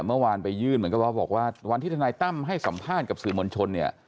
เมื่อวานไปยื่นเหมือนกับว่าบอกว่าวันที่ทนายตั้มให้สัมภาษณ์กับสื่อมวลชนเนี่ย